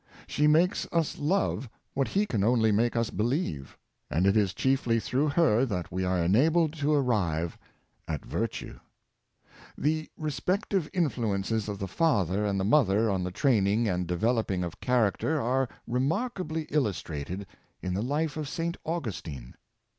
She makes us love what he can only make us believe, and it is chiefly through her that we are enabled to arrive at virtue. The respective influences of the father and the mother on the training and developing of character are re markably illustrated in the life of St. Augustine.